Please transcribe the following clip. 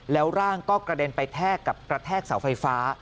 แล้วร่างก็กระเด็นไปแทกกับกระแทกเสาไฟฟ้า